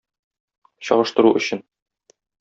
Чагыштыру өчен.